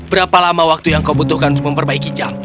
berapa lama waktu yang kau butuhkan untuk memperbaiki jam